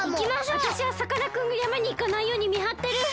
わたしはさかなクンがやまにいかないようにみはってる！